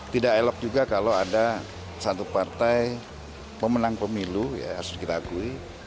tidak elok juga kalau ada satu partai pemenang pemilu ya harus kita akui